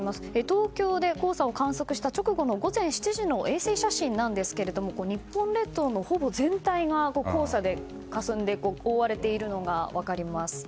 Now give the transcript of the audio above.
東京で黄砂を観測した直後の午前７時の衛星写真なんですが日本列島のほぼ全体が黄砂でかすんで覆われているのが分かります。